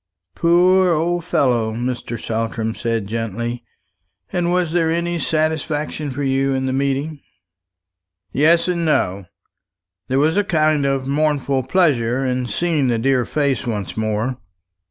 "Poor old fellow!" Mr. Saltram said gently. "And was there any satisfaction for you in the meeting?" "Yes, and no. There was a kind of mournful pleasure in seeing the dear face once more."